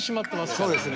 そうですね。